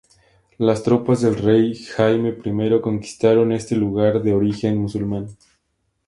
Las tropas del rey Jaime I conquistaron este lugar de origen musulmán.